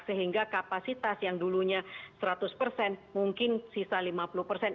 sehingga kapasitas yang dulunya seratus persen mungkin sisa lima puluh persen